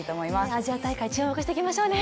アジア大会、注目していきましょうね。